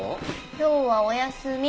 今日はお休み。